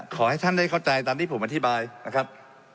ขอให้ท่านได้เข้าใจตามที่ผมอธิบายนะครับ